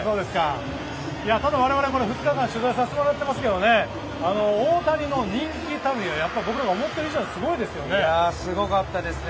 ただ、我々２日間取材させていただいてますけど大谷の人気たるや僕らが思ってる以上にすごかったですね。